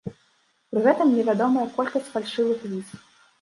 Пры гэтым невядомая колькасць фальшывых віз.